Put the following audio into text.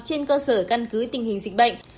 trên cơ sở căn cứ tình hình dịch bệnh